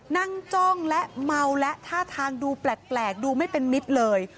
จ้องและเมาและท่าทางดูแปลกดูไม่เป็นมิตรเลย